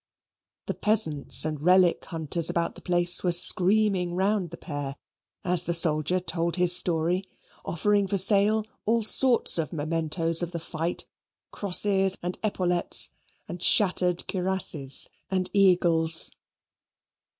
The peasants and relic hunters about the place were screaming round the pair, as the soldier told his story, offering for sale all sorts of mementoes of the fight, crosses, and epaulets, and shattered cuirasses, and eagles.